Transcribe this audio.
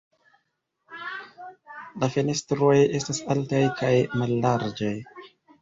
La fenestroj estas altaj kaj mallarĝaj.